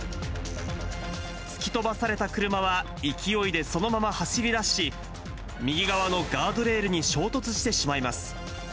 突き飛ばされた車は、勢いでそのまま走りだし、右側のガードレールに衝突してしまいます。